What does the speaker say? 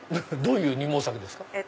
どういう二毛作ですか？